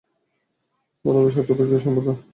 ওরা তো সত্যত্যাগী সম্প্রদায়।